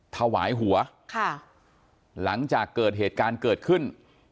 ถวายหัวค่ะหลังจากเกิดเหตุการณ์เกิดขึ้น